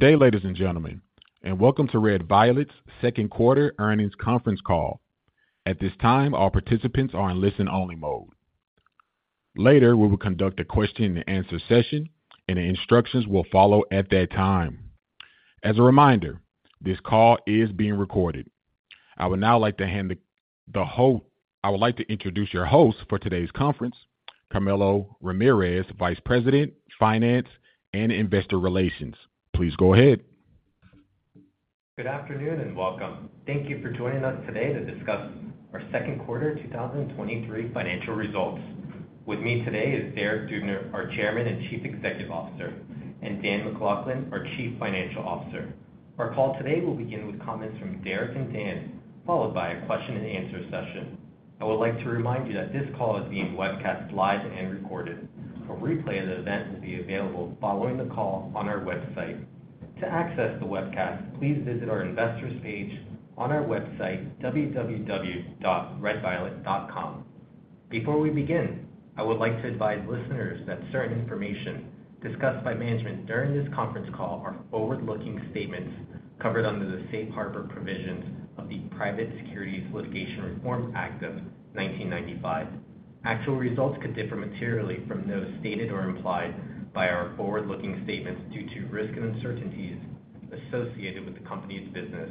Good day, ladies and gentlemen, and welcome to Red Violet's second quarter earnings conference call. At this time, all participants are in listen-only mode. Later, we will conduct a question-and-answer session, and the instructions will follow at that time. As a reminder, this call is being recorded. I would like to introduce your host for today's conference, Camilo Ramirez, Vice President, Finance and Investor Relations. Please go ahead. Good afternoon, and welcome. Thank you for joining us today to discuss our second quarter 2023 financial results. With me today is Derek Dubner, our Chairman and Chief Executive Officer, and Dan MacLachlan, our Chief Financial Officer. Our call today will begin with comments from Derek and Dan, followed by a question-and-answer session. I would like to remind you that this call is being webcast live and recorded. A replay of the event will be available following the call on our website. To access the webcast, please visit our Investors page on our website, www.redviolet.com. Before we begin, I would like to advise listeners that certain information discussed by management during this conference call are forward-looking statements covered under the safe harbor provisions of the Private Securities Litigation Reform Act of 1995. Actual results could differ materially from those stated or implied by our forward-looking statements due to risks and uncertainties associated with the company's business.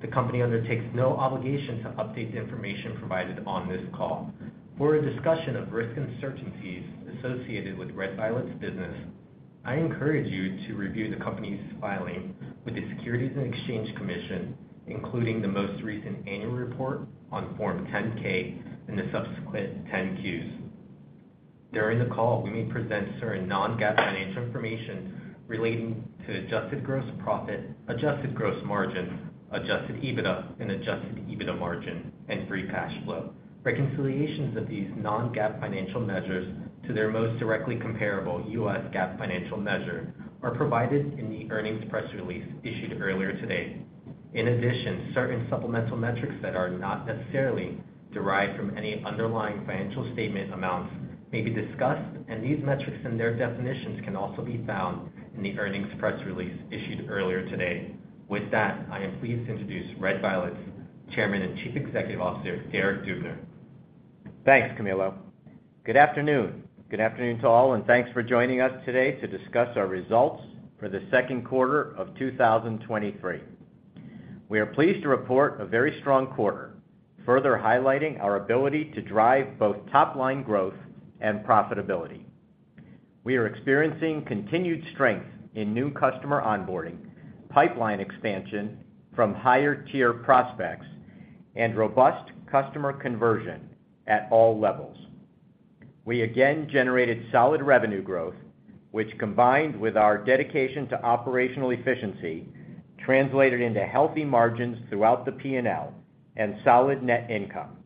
The company undertakes no obligation to update the information provided on this call. For a discussion of risks and uncertainties associated with Red Violet's business, I encourage you to review the company's filing with the Securities and Exchange Commission, including the most recent annual report on Form 10-K and the subsequent 10-Qs. During the call, we may present certain non-GAAP financial information relating to Adjusted Gross Profit, Adjusted Gross Margin, Adjusted EBITDA and Adjusted EBITDA Margin and Free Cash Flow. Reconciliations of these non-GAAP financial measures to their most directly comparable U.S. GAAP financial measure are provided in the earnings press release issued earlier today. In addition, certain supplemental metrics that are not necessarily derived from any underlying financial statement amounts may be discussed, and these metrics and their definitions can also be found in the earnings press release issued earlier today. With that, I am pleased to introduce Red Violet's Chairman and Chief Executive Officer, Derek Dubner. Thanks, Camilo. Good afternoon. Good afternoon to all, and thanks for joining us today to discuss our results for the second quarter of 2023. We are pleased to report a very strong quarter, further highlighting our ability to drive both top-line growth and profitability. We are experiencing continued strength in new customer onboarding, pipeline expansion from higher-tier prospects, and robust customer conversion at all levels. We again generated solid revenue growth, which, combined with our dedication to operational efficiency, translated into healthy margins throughout the P&L and solid net income,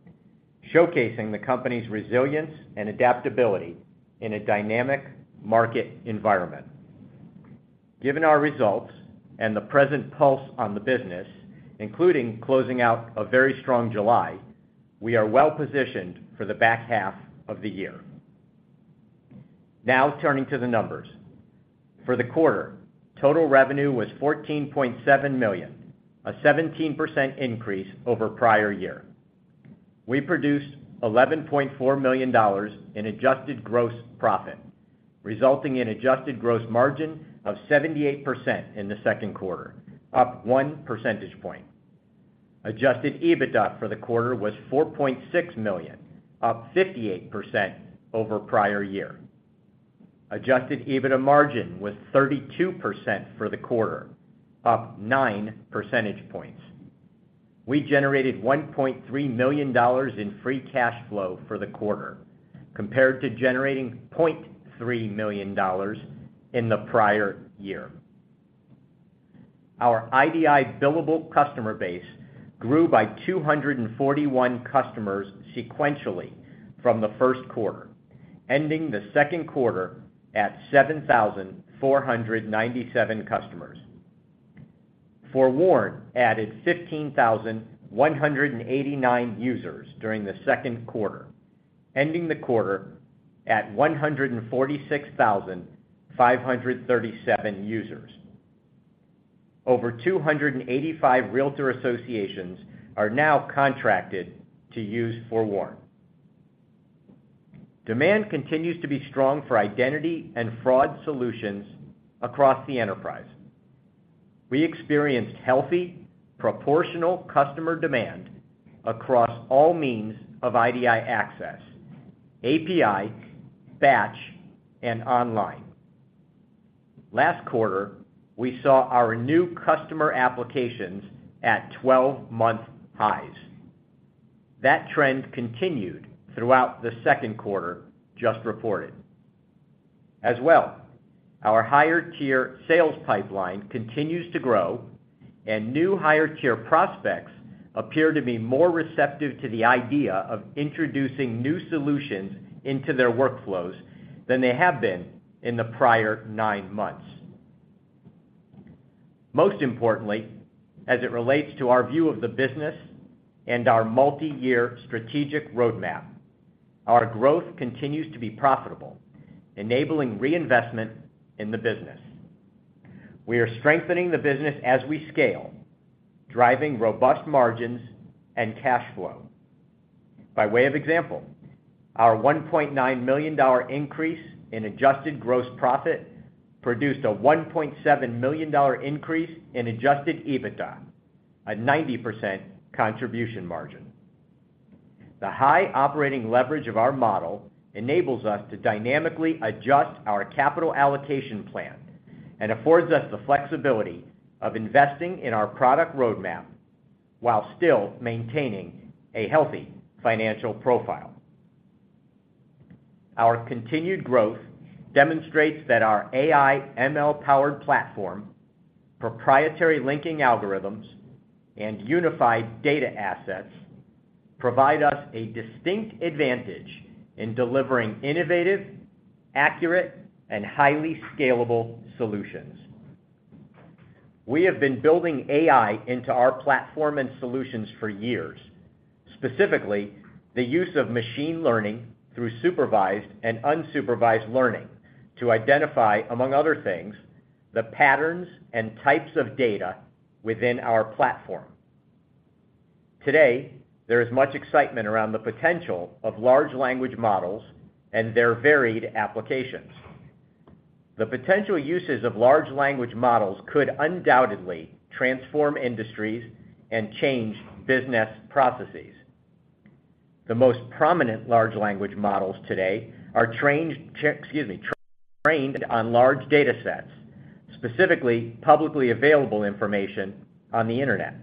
showcasing the company's resilience and adaptability in a dynamic market environment. Given our results and the present pulse on the business, including closing out a very strong July, we are well positioned for the back half of the year. Turning to the numbers. For the quarter, total revenue was $14.7 million, a 17% increase over prior year. We produced $11.4 million in Adjusted Gross Profit, resulting in Adjusted Gross Margin of 78% in the second quarter, up one percentage point. Adjusted EBITDA for the quarter was $4.6 million, up 58% over prior year. Adjusted EBITDA Margin was 32% for the quarter, up nine percentage points. We generated $1.3 million in Free Cash Flow for the quarter, compared to generating $0.3 million in the prior year. Our IDI billable customer base grew by 241 customers sequentially from the first quarter, ending the second quarter at 7,497 customers. FOREWARN added 15,189 users during the second quarter, ending the quarter at 146,537 users. Over 285 Realtor associations are now contracted to use FOREWARN. Demand continues to be strong for identity and fraud solutions across the enterprise. We experienced healthy, proportional customer demand across all means of IDI access, API, batch, and online. Last quarter, we saw our new customer applications at 12-month highs. That trend continued throughout the second quarter, just reported. As well, our higher-tier sales pipeline continues to grow, and new higher-tier prospects appear to be more receptive to the idea of introducing new solutions into their workflows than they have been in the prior nine months. Most importantly, as it relates to our view of the business and our multi-year strategic roadmap... Our growth continues to be profitable, enabling reinvestment in the business. We are strengthening the business as we scale, driving robust margins and cash flow. By way of example, our $1.9 million increase in Adjusted Gross Profit produced a $1.7 million increase in Adjusted EBITDA, a 90% contribution margin. The high operating leverage of our model enables us to dynamically adjust our capital allocation plan and affords us the flexibility of investing in our product roadmap while still maintaining a healthy financial profile. Our continued growth demonstrates that our AI, ML-powered platform, proprietary linking algorithms, and unified data assets provide us a distinct advantage in delivering innovative, accurate, and highly scalable solutions. We have been building AI into our platform and solutions for years, specifically the use of machine learning through supervised and unsupervised learning to identify, among other things, the patterns and types of data within our platform. Today, there is much excitement around the potential of large language models and their varied applications. The potential uses of large language models could undoubtedly transform industries and change business processes. The most prominent large language models today are trained, excuse me, trained on large datasets, specifically publicly available information on the Internet.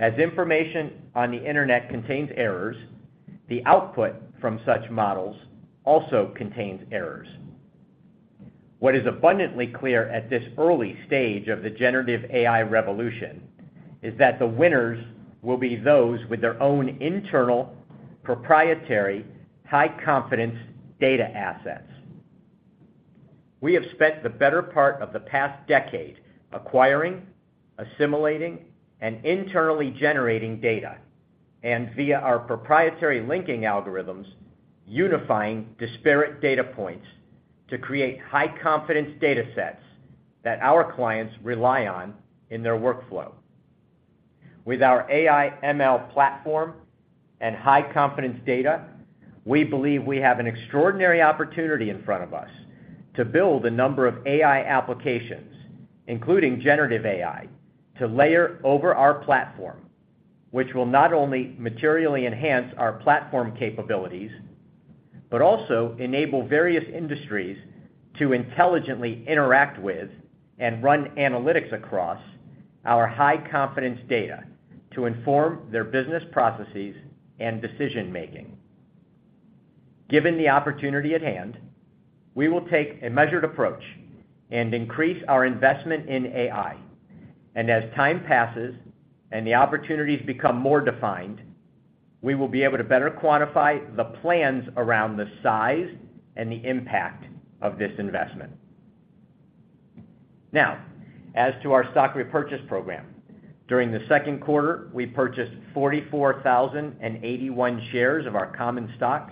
As information on the Internet contains errors, the output from such models also contains errors. What is abundantly clear at this early stage of the generative AI revolution is that the winners will be those with their own internal, proprietary, high-confidence data assets. We have spent the better part of the past decade acquiring, assimilating, and internally generating data, and via our proprietary linking algorithms, unifying disparate data points to create high-confidence datasets that our clients rely on in their workflow. With our AI, ML platform and high-confidence data, we believe we have an extraordinary opportunity in front of us to build a number of AI applications, including generative AI, to layer over our platform, which will not only materially enhance our platform capabilities, but also enable various industries to intelligently interact with and run analytics across our high-confidence data to inform their business processes and decision-making. Given the opportunity at hand, we will take a measured approach and increase our investment in AI. As time passes and the opportunities become more defined, we will be able to better quantify the plans around the size and the impact of this investment. Now, as to our stock repurchase program. During the second quarter, we purchased 44,081 shares of our common stock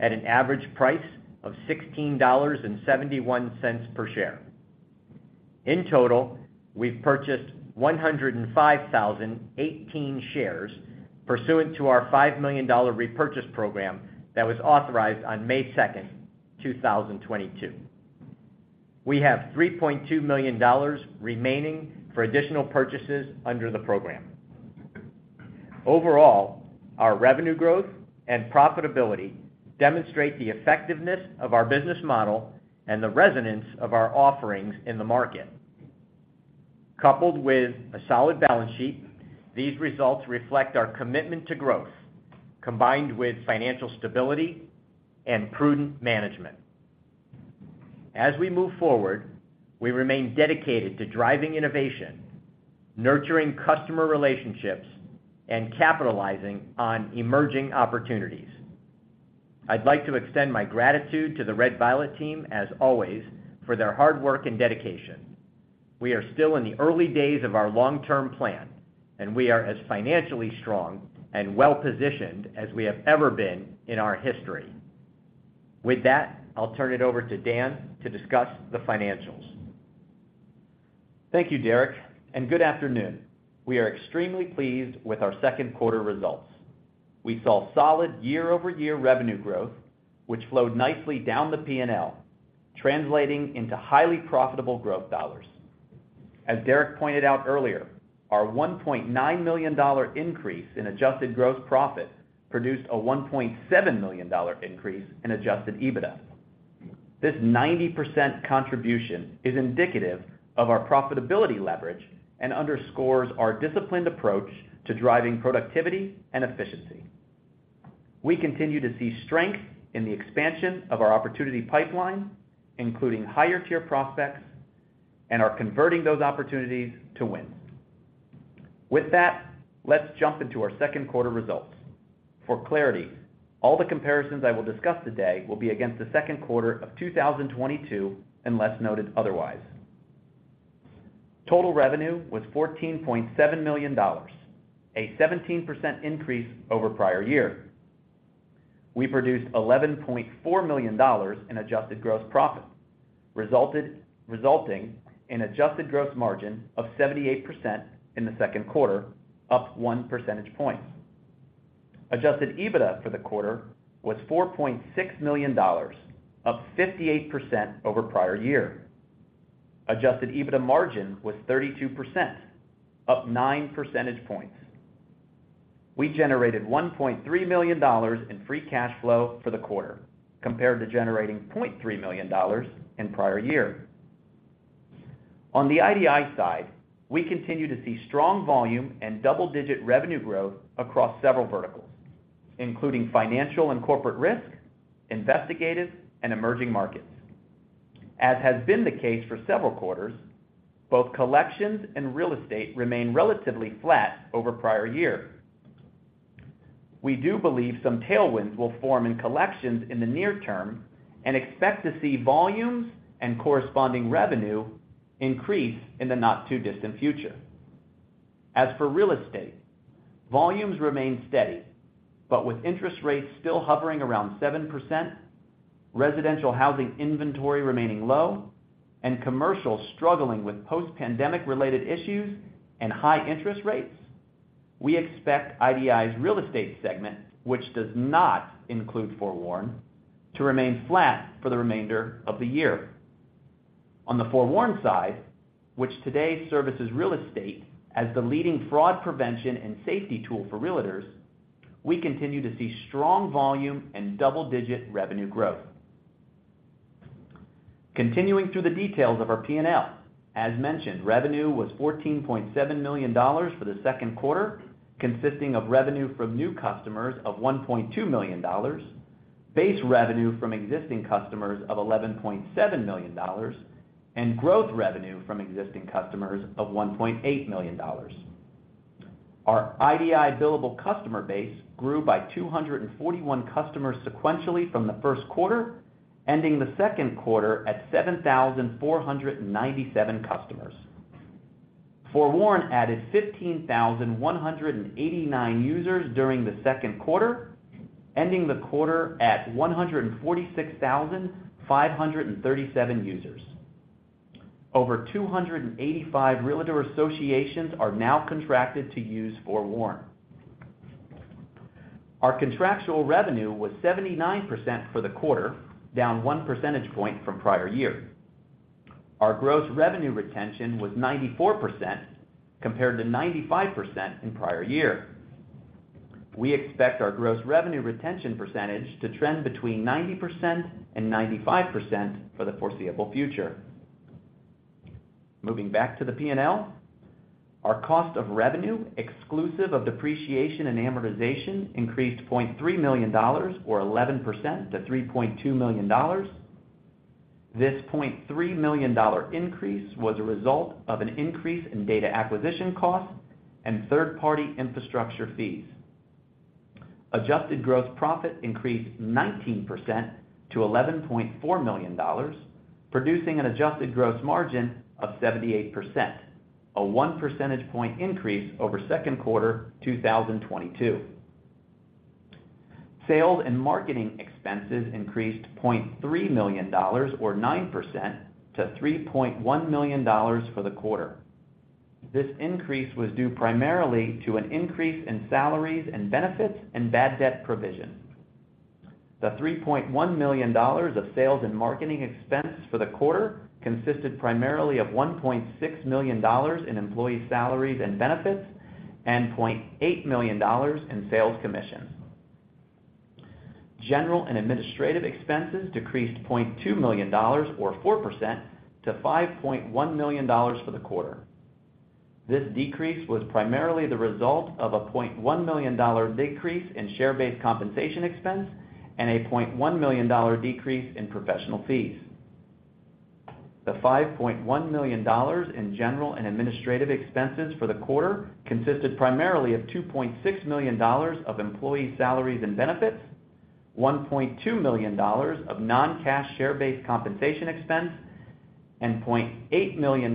at an average price of $16.71 per share. In total, we've purchased 105,018 shares pursuant to our $5 million repurchase program that was authorized on May 2, 2022. We have $3.2 million remaining for additional purchases under the program. Overall, our revenue growth and profitability demonstrate the effectiveness of our business model and the resonance of our offerings in the market. Coupled with a solid balance sheet, these results reflect our commitment to growth, combined with financial stability and prudent management. As we move forward, we remain dedicated to driving innovation, nurturing customer relationships, and capitalizing on emerging opportunities. I'd like to extend my gratitude to the Red Violet team as always, for their hard work and dedication. We are still in the early days of our long-term plan, and we are as financially strong and well-positioned as we have ever been in our history. With that, I'll turn it over to Dan to discuss the financials. Thank you, Derek, and good afternoon. We are extremely pleased with our second quarter results. We saw solid year-over-year revenue growth, which flowed nicely down the P&L, translating into highly profitable growth dollars. As Derek pointed out earlier, our $1.9 million increase in Adjusted Gross Profit produced a $1.7 million increase in Adjusted EBITDA. This 90% contribution is indicative of our profitability leverage and underscores our disciplined approach to driving productivity and efficiency. We continue to see strength in the expansion of our opportunity pipeline, including higher-tier prospects, and are converting those opportunities to wins. With that, let's jump into our second quarter results. For clarity, all the comparisons I will discuss today will be against the second quarter of 2022, unless noted otherwise. Total revenue was $14.7 million, a 17% increase over prior year. We produced $11.4 million in Adjusted Gross Profit, resulting in Adjusted Gross Margin of 78% in the second quarter, up one percentage point. Adjusted EBITDA for the quarter was $4.6 million, up 58% over prior year. Adjusted EBITDA Margin was 32%, up 9 percentage points. We generated $1.3 million in Free Cash Flow for the quarter, compared to generating $0.3 million in prior year. On the IDI side, we continue to see strong volume and double-digit revenue growth across several verticals, including financial and corporate risk, investigative, and emerging markets. As has been the case for several quarters, both collections and real estate remain relatively flat over prior year. We do believe some tailwinds will form in collections in the near term, and expect to see volumes and corresponding revenue increase in the not-too-distant future. For real estate, volumes remain steady, with interest rates still hovering around 7%, residential housing inventory remaining low, and commercial struggling with post-pandemic related issues and high interest rates, we expect IDI's real estate segment, which does not include FOREWARN, to remain flat for the remainder of the year. On the FOREWARN side, which today services real estate as the leading fraud prevention and safety tool for Realtors, we continue to see strong volume and double-digit revenue growth. Continuing through the details of our P&L. As mentioned, revenue was $14.7 million for the second quarter, consisting of revenue from new customers of $1.2 million, base revenue from existing customers of $11.7 million, and growth revenue from existing customers of $1.8 million. Our IDI billable customer base grew by 241 customers sequentially from the first quarter, ending the second quarter at 7,497 customers. FOREWARN added 15,189 users during the second quarter, ending the quarter at 146,537 users. Over 285 Realtor associations are now contracted to use FOREWARN. Our contractual revenue was 79% for the quarter, down 1 percentage point from prior year. Our gross revenue retention was 94%, compared to 95% in prior year. We expect our gross revenue retention percentage to trend between 90% and 95% for the foreseeable future. Moving back to the P&L, our cost of revenue, exclusive of depreciation and amortization, increased $0.3 million or 11% to $3.2 million. This $0.3 million increase was a result of an increase in data acquisition costs and third-party infrastructure fees. Adjusted Gross Profit increased 19% to $11.4 million, producing an Adjusted Gross Margin of 78%, a one percentage point increase over second quarter 2022. Sales and marketing expenses increased $0.3 million or 9% to $3.1 million for the quarter. This increase was due primarily to an increase in salaries and benefits and bad debt provision. The $3.1 million of sales and marketing expense for the quarter consisted primarily of $1.6 million in employee salaries and benefits, and $0.8 million in sales commissions. General and administrative expenses decreased $0.2 million, or 4%, to $5.1 million for the quarter. This decrease was primarily the result of a $0.1 million decrease in share-based compensation expense and a $0.1 million decrease in professional fees. The $5.1 million in general and administrative expenses for the quarter consisted primarily of $2.6 million of employee salaries and benefits, $1.2 million of non-cash share-based compensation expense, and $0.8 million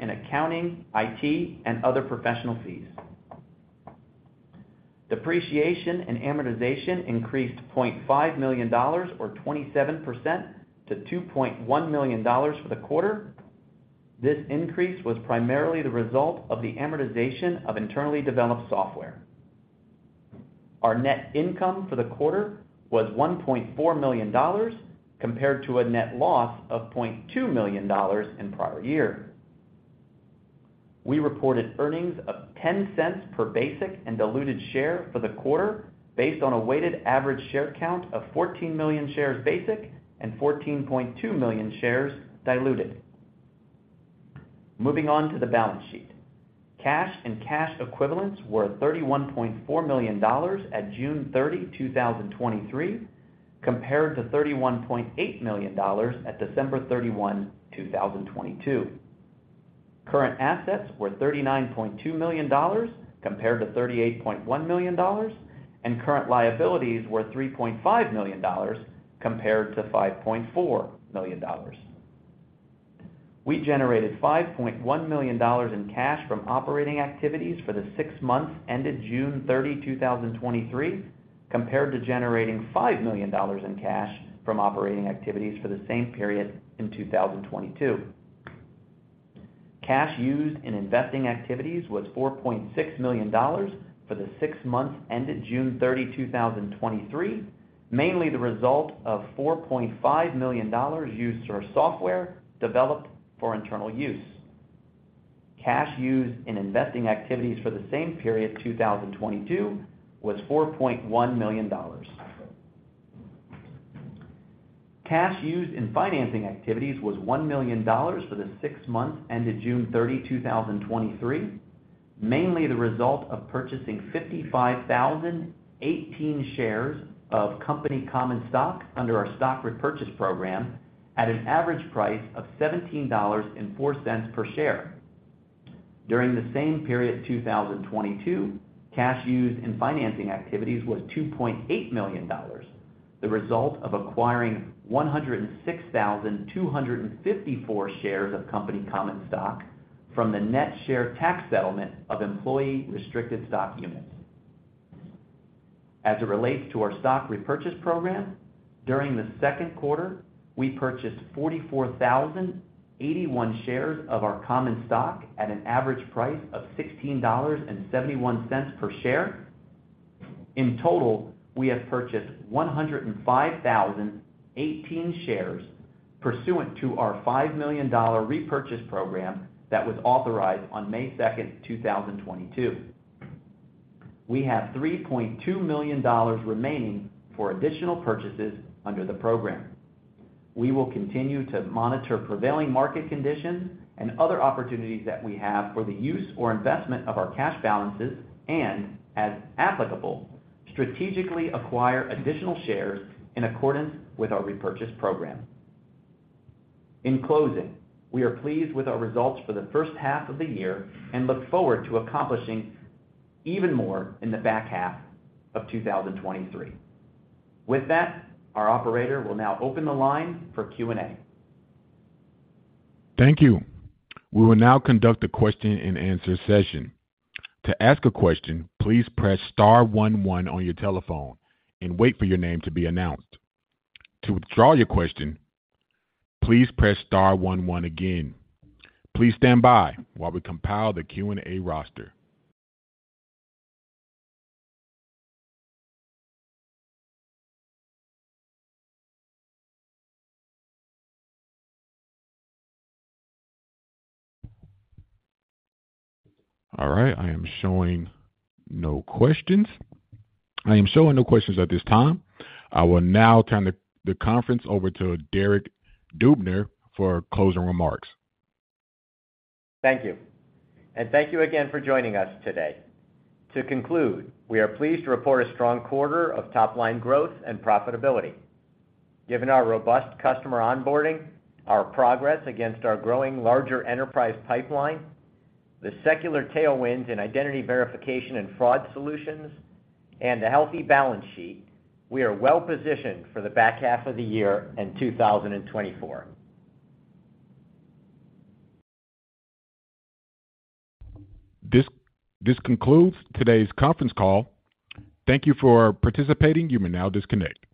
in accounting, IT, and other professional fees. Depreciation and amortization increased $0.5 million, or 27%, to $2.1 million for the quarter. This increase was primarily the result of the amortization of internally developed software. Our net income for the quarter was $1.4 million, compared to a net loss of $0.2 million in prior year. We reported earnings of $0.10 per basic and diluted share for the quarter, based on a weighted average share count of 14 million shares basic and 14.2 million shares diluted. Moving on to the balance sheet. Cash and cash equivalents were $31.4 million at June 30, 2023, compared to $31.8 million at December 31, 2022. Current assets were $39.2 million compared to $38.1 million. Current liabilities were $3.5 million compared to $5.4 million. We generated $5.1 million in cash from operating activities for the six months ended June 30, 2023, compared to generating $5 million in cash from operating activities for the same period in 2022. Cash used in investing activities was $4.6 million for the six months ended June 30, 2023, mainly the result of $4.5 million used for software developed for internal use. Cash used in investing activities for the same period, 2022, was $4.1 million. Cash used in financing activities was $1 million for the six months ended June 30, 2023, mainly the result of purchasing 55,018 shares of company common stock under our stock repurchase program at an average price of $17.04 per share. During the same period, 2022, cash used in financing activities was $2.8 million, the result of acquiring 106,254 shares of company common stock from the net share tax settlement of employee restricted stock units. It relates to our stock repurchase program, during the second quarter, we purchased 44,081 shares of our common stock at an average price of $16.71 per share. In total, we have purchased 105,018 shares pursuant to our $5 million repurchase program that was authorized on May 2, 2022. We have $3.2 million remaining for additional purchases under the program. We will continue to monitor prevailing market conditions and other opportunities that we have for the use or investment of our cash balances, and, as applicable, strategically acquire additional shares in accordance with our repurchase program. In closing, we are pleased with our results for the first half of the year and look forward to accomplishing even more in the back half of 2023. With that, our operator will now open the line for Q&A. Thank you. We will now conduct a question-and-answer session. To ask a question, please press star one, one on your telephone and wait for your name to be announced. To withdraw your question, please press star one, one again. Please stand by while we compile the Q&A roster. All right, I am showing no questions. I am showing no questions at this time. I will now turn the conference over to Derek Dubner for closing remarks. Thank you, thank you again for joining us today. To conclude, we are pleased to report a strong quarter of top-line growth and profitability. Given our robust customer onboarding, our progress against our growing larger enterprise pipeline, the secular tailwinds in identity verification and fraud solutions, and a healthy balance sheet, we are well positioned for the back half of the year in 2024. This concludes today's conference call. Thank you for participating. You may now disconnect.